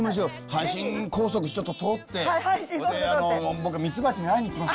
阪神高速ちょっと通って僕ミツバチに会いに行きます。